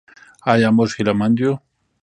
آیا موږ هیله مند یو؟